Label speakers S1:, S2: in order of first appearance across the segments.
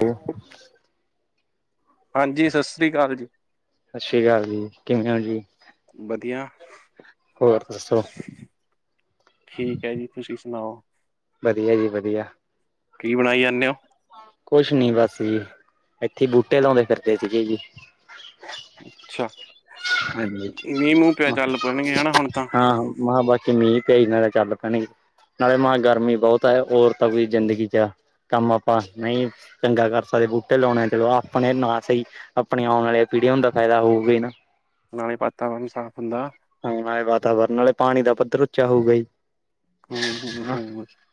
S1: ਹੋ
S2: ਹੈਲੋ। ਹਾਂਜੀ, ਸਸ ਰੀ ਕਾਲ ਜੀ।
S1: ਸਸ ਰੀ ਕਾਲ ਜੀ, ਕਿਵੇਂ ਓਂ ਜੀ?
S2: ਵਦੀਆ।
S1: ਹੋਰ ਦੱਸੋ
S2: ਠੀਕ ਐ ਜੀ ਤੁਸੀਂ ਸਨਾਓ
S1: ਵਦੀਆ ਜੀ ਵਦੀਆ।
S2: ਕੀ ਬਨਾਈ ਜਾਂਨੇ ਓਂ?
S1: ਕੁਛ ਨੀ ਬਸ ਜੀ ਏਥੇ ਬੂਟੇ ਲੌਂਦੇ ਫਿਰਦੇ ਸੀਗੇ ਜੀ।
S2: ਅੱਛਾ।
S1: ਹਾਂਜੀ,
S2: ਮੀਂਹ ਮੂੰਹ ਪਿਆ ਚੱਲ ਪੈਣਗੇ ਹਨਾ ਹੁਣ ਤਾਂ
S1: ਹਾਂ ਮਹਾਂ ਠੀਕ ਐ ਜੀ ਨਾਲੇ ਚੱਲ ਕਨੀ, ਨਾਲੇ ਮਹਾਂ ਗਰਮੀ ਬੌਤ ਐ ਹੋਰ ਤਾਂ ਕੋਈ ਜ਼ਿੰਦਗੀ ਚ ਕੰਮ ਆਪਾਂ ਨਈ ਚੰਗਾ ਕਰ ਸਕਦੇ ਬੂਟੇ ਲੋਣੇ ਚਲੋ ਆਪਨੇ ਨਾ ਸਈ ਆਪਨੇ ਔਣ ਅਲੇ ਪੀੜ੍ਹੀਆਂ ਨੂੰ ਤਾ ਫੈਦਾ ਹੋਊਗੀ ਨਾ।
S2: ਨਾਲੇ ਵਾਤਾਵਰਨ ਵੀ ਸਾਫ਼ ਹੁੰਦਾ।
S1: ਹੂੰ ਨਾਲੇ ਵਾਤਾਵਰਨ ਨਾਲੇ ਪਾਨੀ ਦਾ ਪੱਧਰ ਉੱਚਾ ਹੋਊਗਾ ਜੀ।
S2: ਹੂੰ ਹੂੰ
S1: ਹਨਾ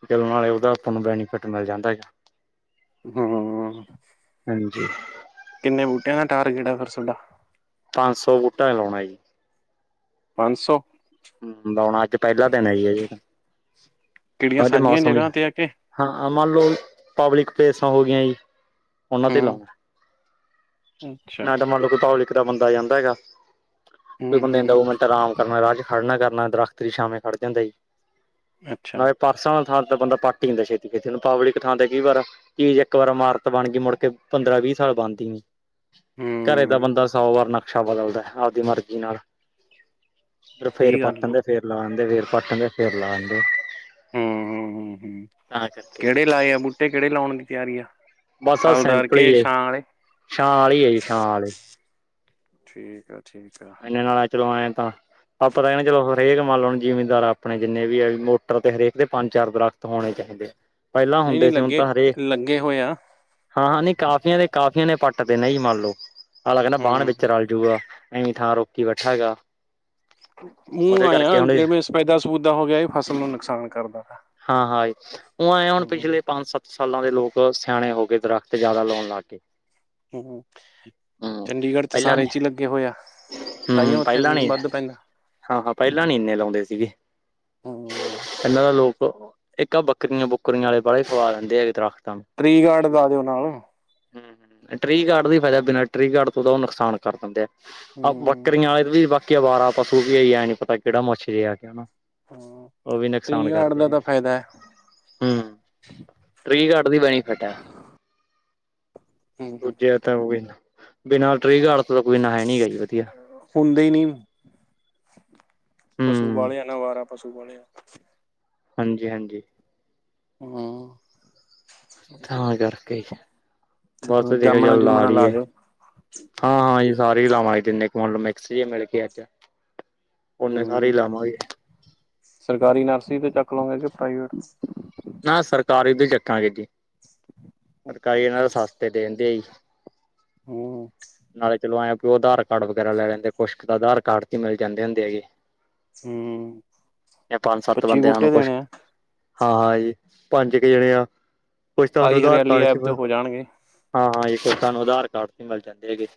S1: ਚਲ ਨਾਲੇ ਓਦਾ ਆਪਾਂ ਨੂੰ ਬੈਨੀਫਿਟ ਮਿਲ ਜਾਂਦਾ ਐ ਗਾ।
S2: ਹਾਂ
S1: ਹਾਂਜੀ।
S2: ਕਿੰਨੇ ਬੂਟਿਆ ਦਾ ਟਾਰਗੇਟ ਐ ਫੇਰ ਸੋਡਾ।
S1: ਪੰਜ ਸੋ ਬੂਟਾ ਲੌਨਾ ਐ ਜੀ।
S2: ਪੰਨ ਸੌ
S1: ਹੂੰ ਲੌਨਾ ਅੱਜ ਪੈਲਾ ਦਿਨ ਐ ਜੀ ਅਜੇ ਤਾਂ,
S2: ਕਿਹੜੀਆਂ
S1: ਅੱਜ
S2: ਸਾਂਝੀਆਂ
S1: ਮੌਸਮ
S2: ਜਗ੍ਹਾ
S1: ਜਾ
S2: ਤੇ ਆ ਕੇ
S1: ਹਾਂ-ਹਾਂ ਮੰਨ ਲਓ ਪਬਲਿਕ ਪਲੇਸਾਂ ਹੋ ਗੀਆ ਜੀ, ਓਨਾ ਤੇ
S2: ਹੂੰ
S1: ਲਾਓ।
S2: ਅੱਛਾ
S1: ਨਾਲੇ ਤਾਂ ਮਤਲਬ ਕੋਈ ਪਬਲਿਕ ਦਾ ਬੰਦਾ ਜਾਂਦੈ ਗਾ,
S2: ਹੂੰ
S1: ਕੋਈ
S2: ਹੂੰ
S1: ਬੰਦੇ ਨੂੰ
S2: ਹੂੰ
S1: ਦੋ ਅਰਾਮ ਕਰਨਾ ਰਾਹ ਚ ਖੜਨਾ ਕਰਨਾ ਦਰਖਤ ਦੀ ਛਾਂਵੇ ਖੜ ਜਾਂਦੈ ਜੀ,
S2: ਅੱਛਾ
S1: ਨਾਲੇ ਪਰਸਨਲ ਥਾਂ ਤੇ ਬੰਦਾ ਪੱਟ ਈ ਦਿੰਦੈ ਛੇਤੀ-ਛੇਤੀ ਹੁਨ ਪਬਲਿਕ ਥਾਂ ਤੇ ਕਈ ਵਾਰ ਚੀਜ਼ ਇਕ ਵਾਰ ਇਮਾਰਤ ਬਨਗੀ ਮੁੜਕੇ ਪੰਦਰਾਂ ਵੀਹ ਸਾਲ ਬਨਦੀ ਨੀ। ਘਰੇ ਤਾ
S2: ਹੂੰ
S1: ਬੰਦਾ ਸੌ ਵਾਰ ਨਕਸ਼ਾ ਬਦਲਦਾ ਆਪਦੀ ਮਰਜ਼ੀ ਨਾਲ। ਫੇਰ
S2: ਸਹੀ ਗੱਲ ਆ
S1: ਪਾਟਨ ਦੇ ਫੇਰ ਲਾਂਨਦੇ ਫੇਰ ਪਾਟਨ ਦੇ ਫੇਰ ਲਾਂਨਦੇ।
S2: ਹੂੰ ਹੂੰ ਹੂੰ ਕੇੜੇ ਲਾਏ ਆ ਬੂਟੇ ਕੇੜੇ ਲੌਨ ਦੀ ਤਿਆਰੀ ਆ।
S1: ਬਸ ਐ
S2: ਹਲਦਾਰ
S1: ਸੈਂਪਲ
S2: ਕੇ
S1: ਈ
S2: ਛਾਂ ਵਾਲੇ
S1: ਐਛਾਂ ਆਲੀ ਐ ਜੀ ਛਾਂ ਆਲੇ।
S2: ਠੀਕ ਐ-ਠੀਕ ਐ।
S1: ਏਨੇ ਨਾਲ ਐ ਚਲੋ ਐ ਤਾਂ ਆਪਾਂ ਤਾਂ ਐ ਕੈਨੇ ਆਂ ਚਲੋ ਹਰੇਕ ਮੰਨ ਲੋ ਜਿਮੀਦਾਰ ਐ ਆਪਨੇ ਜਿੰਨੇ ਵੀ ਐ ਵੀ ਮੋਟਰ ਤੇ ਹਰੇਕ ਦੇ ਪੰਜ ਚਾਰ ਦਰੱਖ ਤਾ ਹੋਨੇ ਚਹੀਦੇ ਨੇ ਪੈਲਾਂ
S2: ਨਹੀਂ ਨਹੀਂ
S1: ਹੁੰਦੇ ਸੀ ਹੁਨ
S2: ਲੱਗੇ
S1: ਤਾਂ ਹਰੇਕ
S2: ਲੱਗੇ ਹੋਏ ਆ
S1: ਹਾਂ-ਹਾਂ ਨੀ ਕਾਫੀਆਂ ਦੇ ਕਾਫੀਆਂ ਨੇ ਪੱਟ ਤੇ ਨਾ ਜੀ ਮੰਨ ਲੋ, ਅਗਲਾ ਕੈਂਦਾ ਵਾਨ ਵਿਚ
S2: ਹੂੰ
S1: ਰਲ ਜੂਗਾ। ਐਵੀਂ ਥਾਂ ਰੋਕੀ ਬੈਠਾ ਹੈਗਾ। ਉਹਦੇ
S2: ਊਂ ਐਂ
S1: ਕਰਕੇ
S2: ਆ
S1: ਹੁਣ
S2: ਜਿਵੇਂ ਸਪੇਦਾ ਸਪੁੱਦਾ ਹੋ ਗੇਆ ਏ ਫਸਲ ਨੂੰ ਨੁਕਸਾਨ ਕਰਦਾ ਵਾ।
S1: ਹਾਂ-ਹਾਂ ਜੀ ਊਂ ਐਂ ਆ ਹੁਨ ਪਿਛਲੇ ਪੰਜ ਸੱਤ ਸਾਲਾਂ ਦੇ ਲੋਕ ਸਿਆਣੇ ਹੋਗੇ ਦਰੱਖਤ ਜਾਦਾ ਲੌਨ ਲਾਗੇ।
S2: ਹੂੰ ਚੰਡੀਗੜ੍ਹ ਚ
S1: ਪਹਿਲਾਂ
S2: ਸਾਰੇ
S1: ਨੀ
S2: ਚ ਈ ਲਗੇ ਹੋਏ ਆ।
S1: ਹੂੰ ਪੈਲਾਂ ਨੀ, ਹਾਂ-ਹਾਂ ਪੈਂਲਾ ਨੀ ਇੰਨੇ ਲੌਂਦੇ ਸੀਗੇ।
S2: ਹੂੰ
S1: ਏਨਾ ਦਾ ਲੋਕ ਇਕ ਬੱਕਰੀਆਂ ਬੁੱਕਰੀਆਂ ਅਲੇ ਬੜ੍ਹੇ ਸਵਾ ਲੈਂਦੇ ਐ ਦਰਖਤਾ ਨੂੰ।
S2: ਟ੍ਰਿ ਗਾਰਡ ਲਾ ਦਿਓ ਨਾਲ।
S1: ਹਮ-ਹਮ ਅ ਟ੍ਰਿ ਗਾਰਡ ਦਾ ਈ ਫੈਦੇ ਬਿਨਾਂ ਟ੍ਰਿ ਗਾਰਡ ਤੋਂ ਤਾ ਓ ਨੁਕਸਾਨ ਕਰ ਦਿੰਦੇ ਐ। ਆ
S2: ਹੂੰ
S1: ਬੱਕਰੀਆਂ ਅਰ ਵੀ ਬਾਕੀ ਆ ਅਵਾਰਾ ਪਸੂ ਵੀ ਹੈ ਈ ਐ। ਐ ਨੀ ਪਤਾ ਕੇੜਾ ਮੱਛਰੇਯਾ ਕੇ ਨਾ।
S2: ਹਾਂ। ਟੀ ਗਾਰਡ ਦਾ
S1: ਤੇ
S2: ਤਾਂ ਫਾਇਦਾ ਹੈ
S1: ਹਮ। ਟ੍ਰਿ ਗਾਰਡ ਦੀ ਬੈਨੀਫਿਟ ਐ।
S2: ਹੂੰ
S1: ਦੂਜਿਆਂ ਤਾ ਓ ਏਨਾ। ਬਿਨਾ ਟ੍ਰਿ ਗਾਰਡ ਤੋ ਤਾ ਕੋਈ ਨਾ ਈ ਨੀ ਹੈਗਾ ਜੀ ਵਧੀਆ।
S2: ਹੁੰਦੇ ਈ ਨੀ। ਪਸੂ
S1: ਹੂੰ
S2: ਬਾਲਿਆ ਨਾ ਅਵਾਰਾ ਪਸੂ ਬਾਲਿਆ।
S1: ਹਾਂਜੀ-ਹਾਂਜੀ।
S2: ਹਮ।
S1: ਥਾਂ ਕਰਕੇ ਬਸ ਮੈਂ ਕਿਆ
S2: ਜਾਮਣਾ
S1: ਚੱਲ ਲਾ
S2: ਜੁਮਣਾ
S1: ਲੀਏ।
S2: ਦਿਓ
S1: ਥਾਂ ਅਈ ਸਾਰੇ ਈ ਲਾਵਾਂਗੇ ਤਿੰਨੇ ਕੁੰਡ ਮਿਕਸ ਜੇ ਮਿਲ ਕੇ ਅੱਜ। ਓਨੇ ਸਾਰੇ ਈ
S2: ਹੂੰ
S1: ਲਾਵਾਂਗੇ।
S2: ਸਰਕਾਰੀ ਨਰਸਰੀ ਤੇ ਚੱਕ ਲਉਗੇ ਕੇ ਪ੍ਰਾਈਵੇਟ ਸ?
S1: ਨਾ ਸਰਕਾਰੀ ਤੇ ਚਖਾਂਗੇ ਜੀ।
S2: ਹੂੰ
S1: ਸਰਕਾਰੀ ਏਨਾ ਦੇ ਸਸਤੇ ਦੇਣਦੇ ਅ ਜੀ।
S2: ਹੂੰ
S1: ਨਾਲੇ ਚਲੋ ਆਯੇ ਅ ਪੀ ਓਦਾ ਹ ਕਾਰਡ ਵਗੈਰਾ ਲੈ ਜੰਦੇ। ਕੁਸ਼ਕ ਤਾ ਆਧਾਰ ਕਾਰਡ ਤੇ ਮਿਲ ਜਾਂਦੇ ਹੁੰਦੇ ਐ ਜੀ। ਐ ਪੰਜ ਸੱਤ
S2: ਪੱਚੀ
S1: ਬੰਦਿਆ ਨੂੰ
S2: ਬੂਟੇ
S1: ਕੁਛ
S2: ਦੇਣੇ ਆ
S1: ਹਾਂ -ਹਾਂ ਜੀ ਪੰਜ ਕ ਜਣੇ ਆ। ਕੁੱਛ ਤਾ ਨੂੰ
S2: ਆਈ
S1: ਆਧਾਰ
S2: ਹਰਿਆਲੀ
S1: ਕਾਰਡ ਚ
S2: ਐਪ ਤੇ
S1: ਮੈਂ
S2: ਹੋ ਜਾਣਗੇ
S1: ਹਾਂ-ਹਾਂ ਇਕ ਤਾਨੂੰ ਆਧਾਰ ਕਾਰਡ ਵੀ ਮਿਲ ਜਾਂਦੇ ਹੈਗੇ।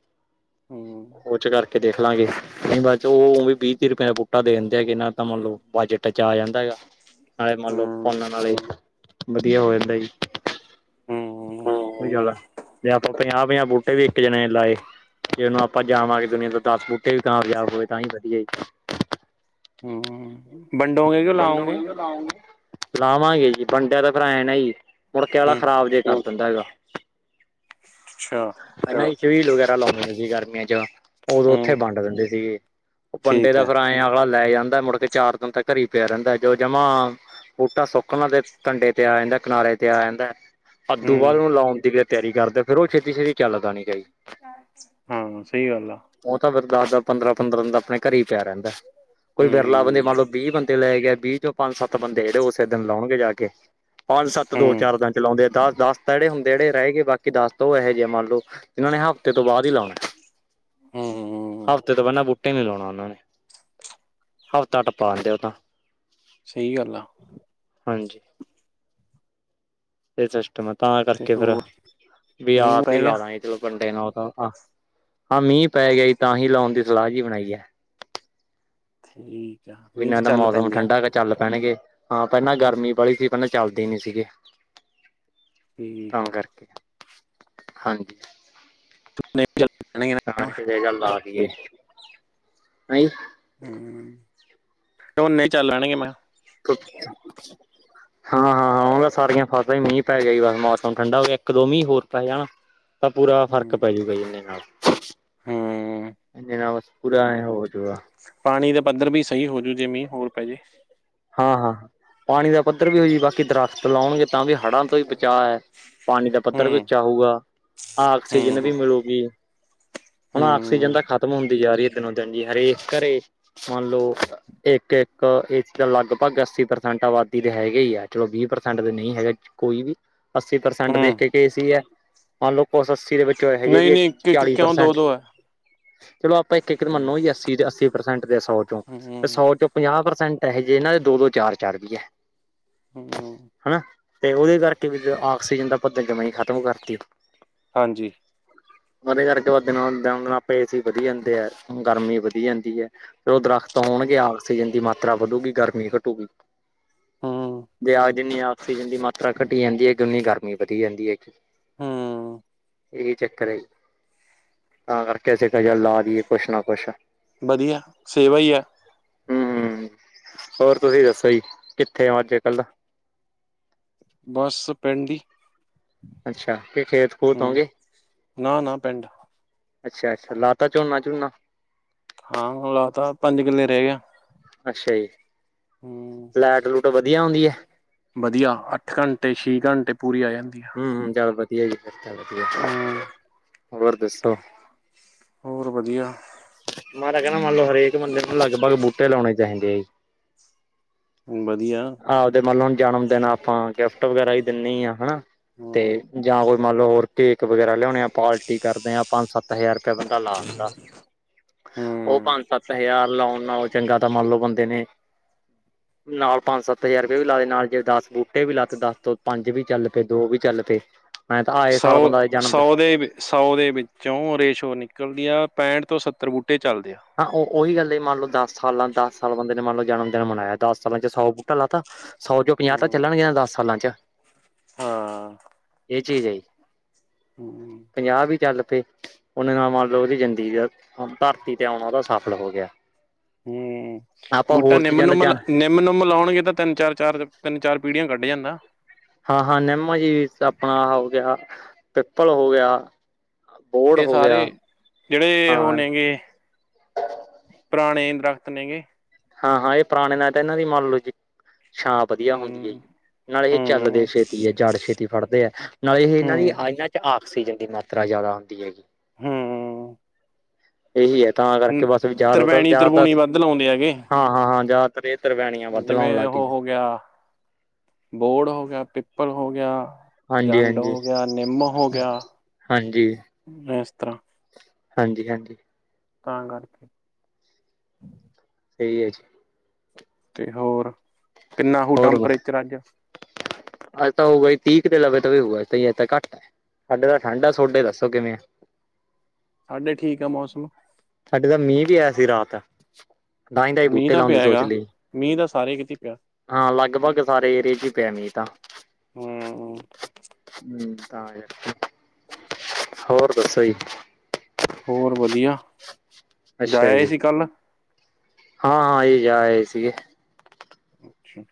S2: ਹੂੰ
S1: ਓਚ ਕਰਕੇ ਕੇ ਦੇਖ ਲਾਂਗੇ ਨਹੀਂ ਬਸ ਉਹ ਵੀਹ ਤੀਹ ਰੁਪਏ ਦਾ ਬੂਟਾ ਦੇ ਦਿੰਦੇ ਹੈਗੇ ਨਾ ਤਾਂ ਮੰਨਲ ਬਜਟ ਚ ਆ ਜਾਂਦਾ ਹੈਗਾ ਨਾਲੇ ਮੰਨ ਲਓ
S2: ਹੂੰ
S1: ਪੰਨਾ ਨਾਲੇ ਵਧੀਆ ਹੋ ਜਾਂਦਾ ਜੀ ਹੂ
S2: ਹੂੰ
S1: ਵਧੀਆ ਗਲ ਜੇ ਆਪਾਂ ਪੰਜਾਹ ਪੰਜਾਹ ਬੂਟੇ ਵੀ ਇੱਕ ਜਣੇ ਲਾਏ ਜੇ ਉਹਨੂੰ ਆਪਾਂ ਜਾਵਾਂਗੇ ਦੁਨੀਆਂ ਤੋਂ ਦਸ ਬੂਟੇ ਵੀ ਤਾਂਯਾਬ ਹੋਵੇ ਤਾਂ ਹੀ ਵਧੀਆ
S2: ਹਮ ਵੰਡੋਗੇ ਕਿਉਂ ਲਾਓਗੇ
S1: ਆਹੋ ਲਾਵਾਂਗੇ ਜੀ ਵੰਡਿਆ ਤਾਂ ਫਿਰ ਐਂ ਨਾ ਹੀ ਮੁੜਕੇ ਵਾਲਾ
S2: ਹੂੰ
S1: ਖਰਾਬ ਦੇ ਕਰ ਦਿੰਦਾ ਹੈਗਾ
S2: ਅੱਛਾ
S1: ਛਬੀਲ ਵਗੈਰਾ ਲਾਉਂਦੇਦੇ ਸੀ ਗਰਮੀਆਂ ਚ ਉਦੋਂ
S2: ਹੂੰ
S1: ਉੱਥੇ ਵੰਡ ਦਿੰਦੇ ਸੀਗੇ ਉਹ ਬੰਡੇ
S2: ਠੀਕ
S1: ਦਾ
S2: ਹੈ
S1: ਫਿਰ ਆਏਂ ਆਗਲਾ ਲੈ ਜਾਂਦਾ ਮੁੜਕੇ ਚਾਰ ਦਿਨ ਤੱਕ ਘਰੀ ਪਿਆ ਰਹਿੰਦਾ ਜੋ ਜਮਾ ਬੂਟਾ ਸੁੱਕਣਾ ਤੇ ਕੰੰਡੇ ਤੇ ਆ ਜਾਂਦਾ ਕਿਨਾਰੇ ਤੇ ਆ ਜਾਂਦਾ ਅੱਧੂ ਬਾਅਦ
S2: ਹੂੰ
S1: ਉਹਨੂੰ ਲਾਉਣ ਦੀ ਤਿਆਰੀ ਕਰਦੇ ਫੇਰ ਉਹ ਛੇਤੀ ਛੇਤੀ ਚੱਲਦਾ ਨੀ ਕ ਜ
S2: ਹਾਂ ਸਹੀ ਗੱਲ ਆ
S1: ਉਹ ਤਾਂ ਫੇਿਰ ਦਸ ਦਸ ਪੰਦਰਾਂ ਪੰਦਰਾਂ ਦਿਨ ਦਾ ਆਪਣੇ ਘਰੇ ਹੀ ਪਿਆ ਰਹਿੰਦਾ ਕੋਈ ਵਿਰਲਾ ਬੰਦੇ
S2: ਹੂੰ
S1: ਮੰਨ ਲਓ ਵੀਹ ਬੰਦੇ ਲੈ ਗਿਆਏ ਵੀਹ ਚ ਪੰਜ ਸੱਤ ਬੰਦੇ ਜਿਹੜੇ ਉਸੇ ਦਿਨ ਲਾਉਣਗੇ ਜਾ ਕੇ ਪੰਜ ਸੱਤ ਦੋ
S2: ਹੂੰ
S1: ਚਾਰ ਤਾਂ ਚਲਾਉਂਦੇ ਆ ਦਸ ਦਸ ਤਾਂ ਜਿਹੜੇ ਹੁੰਦੇ ਜਿਹੜੇ ਰਹੇਏ ਬਾਕੀ ਦਸ ਤਾਂ ਉਹ ਇਹੋ ਜਿਹੇ ਮੰਨ ਲਓ ਇਹਨਾਂ ਨੇ ਹਫ਼ਤੇ ਤੋਂ ਬਾਅਦ ਹੀ ਲਾਉਣਾ
S2: ਹਾਂ ਹਾਂ
S1: ਹਫ਼ਤੇ ਤੋਂ ਪਹਿਲਾਂ ਬੂਟੇ ਨੀ ਲਾਉਣਾ ਉਹਨਾ ਨੇ ਹਫ਼ਤਾ ਟੱਪਾ ਦਿੰਦੇ ਉਹ ਤਾਂ
S2: ਸਹੀ ਗੱਲ ਆ
S1: ਹਾਂਜੀ ਇਹ ਸਿਸਟਮ ਹੈ ਤਾਂ
S2: ਤੇ
S1: ਕਰਕੇ
S2: ਇੱਕ
S1: ਫੇਰ
S2: ਹੋਰ
S1: ਵੀ
S2: ਮੀਂਹ ਮੂੰਹ
S1: ਆਪ ਹੀ
S2: ਪੈ ਗਿਆ
S1: ਲਾ ਲਾਗੇ ਚਲੋ ਕੰਡੇ ਤਾਂ ਆ ਹਾਂ ਮੀਂਹ ਪੈ ਗਿਆਈ ਤਾਂ ਹੀ ਲਾਉਣ ਦੀ ਸਲਾਹ ਜਿਹੀ ਬਣਾਈ ਹੈ
S2: ਠੀ
S1: ਵੀਨਾ ਤਾਂ ਮੌਸਮ ਠੰਡਾ ਚੱਲ ਪੈਣਗੇ ਹਾਂ ਪਹਿਲਾਂ ਗਰਮੀ ਬੜੀ ਸੀ। ਪਹਿਲਾਂ ਚੱਲਦੇ ਨੀ ਸੀਗੇ ਤਾਂ
S2: ਠੀਕ ਆ
S1: ਕਰਕੇ ਹਾਂਜੀ
S2: [unintelligible]
S1: ਨਾਨਕੇ ਇਹ ਗੱਲ ਲਾ ਰਹੀਏ ਨਹੀਂ
S2: ਹੂੰ ਝੋਨੇ ਚੱਲ ਲੈਣਗੇ ਮੈਂ
S1: [unintelligible] ਹਾਂ ਹਾਂ ਹਾਂ ਉਹ ਸਾਰੀਆਂ ਫਸਦਾਈ ਮੀਂਹ ਪੈ ਜਾਈ ਬਸ ਮੌਸਮ ਠੰਡਾ ਹੋ ਗਿਆ ਇੱਕ ਦੋ ਮੀਂਹ ਹੋਰ ਪੈ ਜਾਣਾ ਤਾਂ ਪੂਰਾ ਫ਼ਰਕ
S2: ਹੂੰ
S1: ਪੈਜੂਗਾ ਜੀ ਉਦੇ ਨਾਲ
S2: ਹੂੰ
S1: [unintelligible] ਪੂਰਾ ਹੈ ਹੋ ਜਾਊਗਾ
S2: ਪਾਣੀ ਦੇ ਪੱਧਰ ਵੀ ਸਹੀ ਹੋਜੂ ਜੇ ਮੀਂਹ ਹੋਰ ਪੈ ਜੇ
S1: ਹਾਂ ਹਾਂ ਪਾਣੀ ਦਾ ਪੱਧਰ ਵੀ
S2: ਹੂੰ
S1: ਹੋਈ ਬਸ ਕਿ ਦਰਖਤ ਲਾਉਣਗੇ ਤਾਂ ਵੀ ਹੜਾਂ ਤੋਂ ਹੀ ਬਚਾਅ ਹੈ ਪਾਣੀ ਦਾ ਪੱਧਰ ਵੀ ਉੱਚਾ ਹੋਊਗਾ ਆਕਸੀਜਨ
S2: ਹੂੰ
S1: ਵੀ ਮਿਲਲੇਗੀ ਹੁਣ ਆਕਸੀਜਨ
S2: ਹੂੰ
S1: ਤਾਂ ਖ਼ਤਮ ਹੁੰਦੀ ਜਾ ਰਹੀ ਹੈ। ਦਿਨੋ ਦਿਨ ਹਰੇ ਘਰੇ ਮੰਨ ਲਓ ਇੱਕ ਇੱਕ ਤਾਂ ਲਗਭਗ ਅੱਸੀ ਪ੍ਰਸੈਂਟ ਆਬਾਦੀ ਦੇ ਹੈਗੇ ਹੀ ਆ ਚਲੋ ਵੀਹ ਪ੍ਰਸੈਂਟ ਤੇ ਨਹੀਂ ਹੈਗਾ ਕੋਈ ਵੀ ਅੱਸੀ ਪ੍ਰਸੈਂਟ ਦੇਖ
S2: ਹੂੰ
S1: ਕੇ ਗ ਸੀ ਹੈ ਮੰਨ ਲਓ ਕੁਛ ਅੱਸੀ ਤੇਰੇ ਬੱਚੇ ਵੱਲ ਹੈਗੇ
S2: ਨਹੀਂ
S1: ਵੀ
S2: ਨਹੀਂ ਇੱਕ ਇੱਕ
S1: ਚਾਲੀ
S2: ਕਿਉਂ ਦੋ
S1: ਪਰਸੈਂਟ
S2: ਦੋ ਹੈ
S1: ਚਲੋ ਆਪਾਂ ਇੱਕ ਇੱਕ
S2: ਹੂੰ
S1: ਮੰਨੋ ਜੀ ਅੱਸੀ ਅੱਸੀ ਪ੍ਰਸੈਂਟ ਤੇ ਸੌ ਚੋਂ ਤੇ
S2: ਹੂੰ,
S1: ਸੌ ਚੋਂ ਪੰਜਾਹ ਪ੍ਰਸੈਂਟ ਇਹੋ ਜਿਹੇ ਇਹਨਾਂ ਦੇ ਦੋ ਦੋ ਚਾਰ ਚਾਰ ਵੀ ਹੈ
S2: ਹੂੰ,
S1: ਹਨਾ ਤੇ ਉਹਦੇ ਕਰਕੇ ਵੀ ਆਕਸੀਜਨ ਦਾ ਪੱਧਰ ਜਮ ਖਤਮ ਕਰਤੀ ਤੂੰ
S2: ਹਾਂਜੀ
S1: ਉਹਦੇ ਕਰਕੇ ਆਪ ਏਸੀ ਵਧੀ ਜਾਂਦੇ ਹੈ ਗਰਮੀ ਵਧੀ ਜਾਂਦੀ ਹੈ। ਫਿਰ ਉਹ ਦਰਖਤ ਹੋਣਗੇ ਆਕਸੀਜਨ ਦੀ ਮਾਤਰਾ ਵਧੂਗੀ ਗਰਮੀ ਘਟੂਗੀ
S2: ਹੂੰ,
S1: ਜਿੰਨੀ ਆਕਸੀਜਨ ਦੀ ਮਾਤਰਾ ਘਟੀ ਜਾਂਦੀ ਹੈ ਕਿ ਉਨੀ ਗਰਮੀ ਵਧੀ ਜਾਂਦੀ ਹੈ ਕਿ
S2: ਹੂੰ।
S1: ਇਹੀ ਚੱਕਰ ਹੈ ਤਾਂ ਕਰਕੇ ਅਸੀਂ ਕਹਿ ਲਾ ਦੀਈਏ ਕੁਛ ਨਾ ਕੁਛ।
S2: ਵਧੀਆ ਸੇਵਾ ਈ ਆ।
S1: ਹੂੰ, ਹੋਰ ਤੁਸੀਂ ਦੱਸੋ ਜੀ ਕਿੱਥੇ ਹੋ ਅੱਜ ਕੱਲ?
S2: ਬੱਸ ਪਿੰਡ ਈ।
S1: ਅੱਛਾ, ਕੀ ਖੇਤ ਖੂਤ
S2: ਹੂੰ,
S1: ਆਉਗੇ।
S2: ਨਾ-ਨਾ ਪਿੰਡ
S1: ਅੱਛਾ ਅੱਛਾ, ਲਾ ਤਾਂ ਝੋਨਾ ਝੂਨਾ?
S2: ਹਾਂ ਲਾ ਤਾਂ, ਪੰਜ ਕਿੱਲੇ ਰਹੇ ਗਿਆ।
S1: ਅੱਛਾ ਜੀ,
S2: ਹੂੰ।
S1: ਲੈਟ ਲੂਟ ਵਧੀਆ ਆਉਂਦੀ ਹੈ।
S2: ਵਧੀਆ, ਅੱਠ ਘੰਟੇ ਛੇ ਘੰਟੇ ਪੂਰੀ ਆ ਜਾਂਦੀ ਹੈ।
S1: ਹੂੰ ਹੂੰ, ਚਲ ਵਧੀਆ ਵੀ ਫਿਰ ਵਧੀਆ
S2: ਹੂੰ।
S1: ਹੋਰ ਦੱਸੋ?
S2: ਹੋਰ ਵਧੀਆ।
S1: ਹਮਾਰਾ ਕਹਿਣਾ ਮੰਨ ਲਓ ਹਰੇਕ ਬੰਦੇ ਨੂੰ ਲਗਭਗ ਬੂਟੇ ਲਾਉਣੇ ਚਾਹੀਦੇ ਆ ਜੀ।
S2: ਵਧੀਆ।
S1: ਹਾਂ ਆਪਦੇ ਮੰਨ ਲਓ ਹੁਣ ਜਨਮ ਦਿਨ ਆਪਾਂ ਗਿਫਟ ਵਗੈਰਾ ਹੀ ਦਿੰਦੇ ਹੀ ਆ ਹਨਾ। ਤੇ
S2: ਹੂੰ,
S1: ਜਾਂ ਕੋਈ ਮੰਨ ਲਓ ਹੋਰ ਕੇਕ ਵਗੈਰਾ ਲਿਆਉਣੇ ਆ ਪਾਰਟੀ ਕਰਦੇ ਆ ਆਪਾਂ ਸੱਤ ਹਜ਼ਾਰ ਰੁਪਇਆ ਬੰਦਾ ਲਾ ਤਾਂ। ਉਹ
S2: ਹੂੰ।
S1: ਪੰਜ ਸੱਤ ਹਜ਼ਾਰ ਲਾਉਣ ਨਾਲੋਂ ਚੰਗਾ ਤਾਂ ਮੰਨ ਲਓ ਬੰਦੇ ਨੇ ਨਾਲ ਪੰਜ ਸੱਤ ਹਜ਼ਾਰ ਰੁਪਏ ਵੀ ਲਾ ਦੇ, ਨਾਲ ਜੇ ਦਸ ਬੂਟੇ ਵੀ ਲਾ ਤੇ ਦਸ ਤੋਂ ਪੰਜ ਵੀ ਚੱਲ ਪੇ ਦੋ ਵੀ ਚੱਲ ਪੇ।
S2: ਸਊ ਸਊ ਦੇ ਬੀ ਸੌ ਦੇ ਵਿੱਚੋਂ ਰੇਸ਼ੋ ਨਿਕਲਦੀ ਆ, ਪੈਂਹਠ ਤੋਂ ਸੱਤਰ ਬੂਟੇ ਚੱਲਦੇ ਆ।
S1: ਹਾਂ ਉਹ ਉਹੀ ਗੱਲ ਐ, ਮੰਨ ਲਓ ਦਸ ਸਾਲਾਂ, ਦਸ ਸਾਲ ਬੰਦੇ ਨੇ ਮੰਨ ਲਓ ਜਨ ਦਿਨ ਮਨਾਇਆ, ਦਸ ਸਾਲਾਂ 'ਚ ਸੌ ਬੂਟਾ ਲਾ ਤਾ ਸੌ 'ਚ ਪੰਜਾਹ ਤਾਂ
S2: ਹੂੰ,
S1: ਚੱਲਣਗੇ ਦਸ ਸਾਲਾਂ 'ਚ,
S2: ਹਾਂ,
S1: ਇਹ ਚੀਜ਼ ਐ ਜੀ।
S2: ਹੂੰ ਹੂੰ।
S1: ਪੰਜਾਹ ਹੀ ਚੱਲ ਪੇ, ਉਹਨੇ ਨਾਲ ਮੰਨ ਲਓ ਉਹਦੀ ਜ਼ਿੰਦਗੀ ਧਰਤੀ ਤੇ ਆਉਣਾ ਉਹਦਾ ਸਫ਼ਲ ਹੋ ਗਿਆ।
S2: ਹੂੰ,
S1: ਆਪਾਂ
S2: ਬੂਟਾ
S1: ਹੋਰ
S2: ਨਿਮ
S1: ਚੀਜ਼ਾਂ ਦਾ
S2: ਨੁਮਾ ਲਾ,
S1: ਜਾਣ
S2: ਨਿ ਨਿੰਮ ਨੁਮਾ ਲਾਉਣਗੇ ਤਾਂ ਤਿੰਨ ਚਾਰ- ਚਾਰ, ਤਿੰਨ ਚਾਰ ਪੀੜੀਆਂ ਕੱਢ ਜਾਂਦਾ।
S1: ਹਾਂ ਹਾਂ ਨਿੰਮ ਜੀ ਆਪਣਾ ਹੋ ਗਿਆ, ਪਿੱਪਲ ਹੋ ਗਿਆ। ਬੋਹੜ
S2: ਇਹ
S1: ਹੋ ਗਿਆ
S2: ਸਾਰੇ ਜਿਹੜੇ ਉਹ
S1: ਹਾਂ
S2: ਹੋਣਗੇ ਪੁਰਾਣੇ ਦਰਖ਼ਤ ਨੇ ਗੇ।
S1: ਹਾਂ ਹਾਂ, ਇਹ ਪੁਰਾਣੇ ਨਾਲੇ ਤਾਂ ਇਹਨਾਂ ਦੀ ਮੰਨ ਲੋਓ ਜੀ, ਛਾਂ ਵਧੀਆ ਹੁੰਦੀ ਐ
S2: ਹੂੰ
S1: ਜੀ। ਨਾਲੇ ਇਹ ਚੱਲਦੇ
S2: ਹੂੰ
S1: ਛੇਤੀ ਐ, ਜੜ ਛੇਤੀ ਫੜਦੇ ਐ, ਨਾਲੇ ਇਹ ਇਹਨਾਂ ਦੀ
S2: ਹੂੰ
S1: ਇਹਨਾਂ 'ਚ ਆ ਕਸੀਜਨ ਦੀ ਮਾਤਰਾ ਜ਼ਿਆਦਾ ਹੁੰਦੀ ਐਗੀ।
S2: ਹੂੰ।
S1: ਇਹੀ ਐ ਤਾਂ ਕਰਕੇ ਬਸ ਵੀ ਜ਼ਿਆਦਾਤਰ-
S2: ਤਰਵੈਣੀ ਤਰਬੂਣੀ
S1: ਜ਼ਿਆਦਾਤਰ
S2: ਵੱਧ ਲਾਉਂਦੇ ਹੈਗੇ
S1: ਹਾਂ ਹਾਂ ਹਾਂ ਜ਼ਿਆਦਾਤਰ, ਇਹ ਤਵੈਣੀਆਂ ਵੱਧ ਲਾਉਣ
S2: ਜਿਵੇਂ
S1: ਲੱਗ ਗਏ।
S2: ਉਹ ਹੋ ਗਿਆ
S1: [inaudible]
S2: ਬੋਹੜ ਹੋ ਗਿਆ, ਪਿੱਪਲ ਹੋ ਗਿਆ।
S1: ਹਾਂਜੀ
S2: ਜੰਡ
S1: ਹਾਂਜੀ
S2: ਹੋ ਗਿਆ, ਨਿੰਮ ਹੋ ਗਿਆ,
S1: ਹਾਂਜੀ
S2: ਇਸ ਤਰ੍ਹਾਂ।
S1: ਹਾਂਜੀ ਹਾਂਜੀ।
S2: ਤਾਂ ਕਰਕੇ।
S1: ਸਹੀ ਐ ਜ
S2: ਤੇ ਹੋਰ, ਕਿੰਨਾ ਹੋਉ
S1: ਹੋਰ
S2: ਟੈਂਪਰੇਚਰ ਅੱਜ?
S1: ਅੱਜ ਤਾਂ ਹੋਊਗਾ ਹੀ ਤੀਕ ਕ ਤੇ ਲਵੇ ਤਵੇ ਹੋਊਗਾ, ਅਜ ਤਾਂ ਘੱਟ ਐ, ਸਾਡੇ ਤਾਂ ਠੰਡ ਆ ਸੋਹਾਡੇ ਦੱਸੋ ਕਿਵੇਂ ਆ?
S2: ਸਾਡੇ ਠੀਕ ਆ ਮੌਸਮ।
S1: ਸਾਡੇ ਤਾਂ ਮੀਂਹ ਵੀ ਆਇਆ ਸੀ ਰਾਤ। ਦਾਹੀ ਤ ਅਸੀਂ
S2: ਮੀਂਹ
S1: ਬੂਟੇ
S2: ਤਾਂ
S1: ਲਾਉਂਣ ਦੀ
S2: ਪਿਆ
S1: ਸੋਚ
S2: ਹੈਗਾ
S1: ਲੀ।
S2: ਮੀਂਹ ਤਾਂ ਸਾਰੇ ਕਿਤੇ ਪਿਆ
S1: ਹਾਂ ਲਗਭਗ ਸਾਰੇ ਏਰੀਏ ਚ' ਈ ਪਿਆ ਮੀਂਹ ਤਾਂ।
S2: ਹੂੰ
S1: ਹੂੰ ਤਾਂ ਕਰਕੇ, ਹੋਰ ਦੱਸੋ ਜੀ?
S2: ਹੋਰ ਵਧੀਆ, ਜਾਇਆ
S1: ਅੱਛਾ
S2: ਆਏ
S1: ਜੀ
S2: ਸੀ ਕੱਲ।
S1: ਹਾਂ ਜੀ ਜਾ ਆਏ ਸੀਗੇ।
S2: ਅੱਛਾ।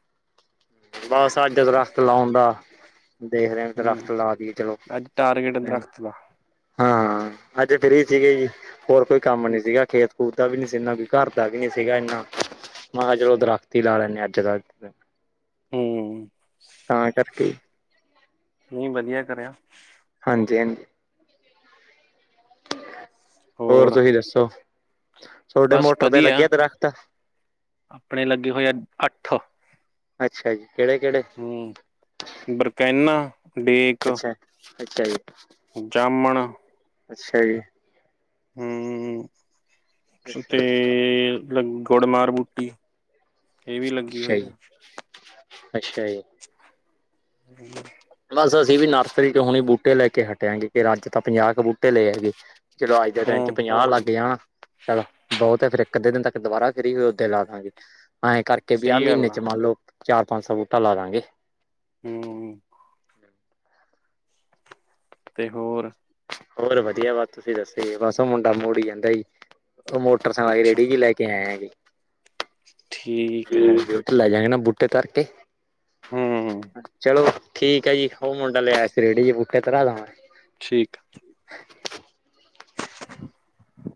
S1: ਬਸ ਅੱਜ ਦਰਖਤ ਲਾਉਣ ਦਾ ਦੇਖਦੇ ਆਂ ਦਰਖਤ
S2: ਹੂੰ
S1: ਲਾ ਦੀਏ, ਚਲੋ
S2: ਅੱਜ ਟਾਰਗੇਟ ਦਰਖਤ ਦਾ
S1: ਹਾਂ, ਅੱਜ ਫਰੀ ਸੀਗੇ ਜੀ, ਹੋਰ ਕੋਈ ਕੰਮ ਨੀਂ
S2: ਅੱਛਾ
S1: ਸੀਗਾ ਖੇਤ ਪੂਰ ਦਾ ਵੀ ਨੀ ਸੀ ਇਨ੍ਹਾਂ ਕੀ ਘਰ ਦਾ ਵੀ ਨੀ ਸੀਗਾ ਇੰਨਾਂ, ਮੈਂ ਕਿਹਾ ਚਲੋ ਦਰਖਤੀ ਲਾ ਲੈਂਨੇ ਆ ਅੱਜ ਜਾ ਕੇ।
S2: ਹੂੰ।
S1: ਤਾਂ ਕਰਕੇ।
S2: ਨਈਂ, ਵਧੀਆ ਕਰਿਆ।
S1: ਹਾਂਜੀ-ਹਾਂਜੀ। ਹੋਰ ਤੁਸੀਂ ਦੱਸੋ? ਤੁਹਾਡੇ
S2: ਬਸ
S1: ਮੋਟਰ ਤੇ
S2: ਵਧੀਆ,
S1: ਲੱਗਿਆ ਦਰਖਤ
S2: ਆਪਣੇ ਲੱਗੇ ਹੋਏ ਆ ਅੱਠ।
S1: ਅੱਛਾ ਜੀ, ਕਿਹੜੇ-ਕਿਹੜੇ?
S2: ਹੂੰ, ਬਰਕੈਨਾ, ਡੇਕ
S1: ਅੱਛਾ ਅੱਛਾ ਜੀ।
S2: ਜਾਮਣ,
S1: ਅੱਛਾ ਜੀ।
S2: ਹੂੰ
S1: ਅੱਛਾ
S2: ਤੇ
S1: ਅੱਛਾ
S2: ਲ ਗੁੜ ਮਾਰ ਬੂਟੀ, ਇਹ ਵੀ ਲੱਗੀ
S1: ਅੱਛਾ
S2: ਹੋਈ ਆ।
S1: ਜੀ ਅੱਛਾ ਜੀ।
S2: [inaudible]
S1: ਬਸ ਅਸੀਂ ਵੀ ਨਰਸਰੀ 'ਚੋ ਹੁਣੇ ਬੂਟੇ ਲੈ ਕੇ ਹਟੇ ਆ ਜੀ, ਤੇ ਅੱਜ ਤਾਂ ਪੰਜਾਹ ਕੁ ਬੂਟੇ ਲਏ ਹੈਗੇ। ਚਲੋ ਅੱਜ ਦੇ ਦਿਨ ਚ'
S2: ਹੂੰ
S1: ਪੰਜਾਹ ਲੱਗ ਜਾਣ, ਚੱਲ, ਬਹੁਤ ਫਿਰ ਇੱਕ-ਅੱਧੇ ਦਿਨ ਤੱਕ ਦੁਬਾਰਾ ਫਰੀ ਹੋਈ ਉਦੇ ਲਾ ਦਾਂਗੇ, ਐਂ ਕਰਕੇ ਵੀ ਆਹ
S2: ਸਹੀ
S1: ਮਹੀਨੇ
S2: ਗੱਲ ਆ
S1: 'ਚ ਮੰਨ ਲਓ ਚਾਰ-ਪੰਜ ਸੌ ਬੂਟਾ ਲਾ ਦਾਂਗੇ।
S2: ਹੂੰ। ਤੇ ਹੋਰ?
S1: ਹੋਰ ਵਧੀਆ ਬਸ ਤੁਸੀਂ ਦੱਸੋ ਜੀ, ਬਸ ਉਹ ਮੁੰਡਾ ਮੋੜੀ ਜਾਂਦਾ ਜੀ, ਉਹ ਮੋ ਟਰਸਾਕੇ
S2: ਅੱਛਾ
S1: ਰੇੜੀ ਜੀ ਲੈ ਕੇ ਆਏ ਆਂ ਜੀ। ਠੀਕ ਐ, ਲੈ ਜਾਗੇ ਨਾਂ ਬੂਟੇ ਧਰਕੇ।
S2: ਹੂੰ
S1: ਚਲੋ ਠੀਕ ਐ ਜੀ, ਉਹ ਮੁੰਡਾ ਲੈ ਆਇਆ ਸੀ ਰੇੜੀ ਜੀ ਬੂਟੇ ਧਰਾ ਲਾਂ ਮੈਂ।
S2: ਠੀਕ।